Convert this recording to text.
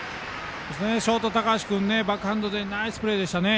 ショート、高橋君バックハンドでナイスプレーでしたね。